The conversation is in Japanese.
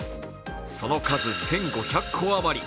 その数１５００戸余り。